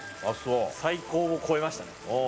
最高を超えましたね。